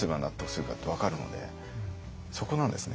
そこなんですね。